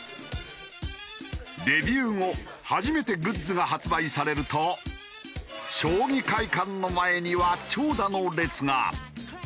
デビュー後初めてグッズが発売されると将棋会館の前には長蛇の列が。